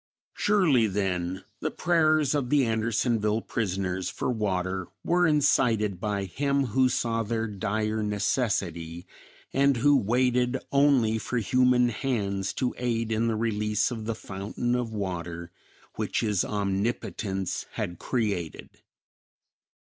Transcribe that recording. Surely then, the prayers of the Andersonville prisoners for water were incited by Him who saw their dire necessity, and who waited only for human hands to aid in the release of the fountain of water which his Omnipotence had created.